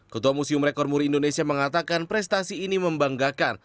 ketua museum rekor muri indonesia mengatakan prestasi ini membanggakan